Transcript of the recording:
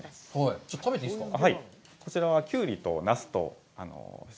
ちょっと食べていいですか。